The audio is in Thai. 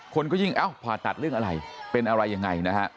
คนก็ยิ่งเอ้าผ่าตัดเรื่องอะไรเป็นอะไรยังไงนะฮะ